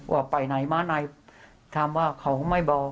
ว่าไปไหนมาไหนถามว่าเขาไม่บอก